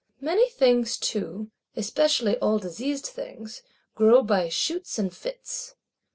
Many things too, especially all diseased things, grow by shoots and fits.